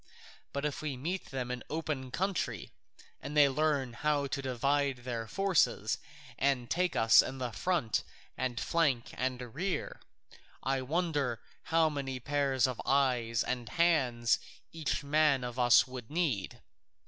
But if we meet them in open country, and they learn how to divide their forces and take us in front and flank and rear, I wonder how many pairs of eyes and hands each man of us would need!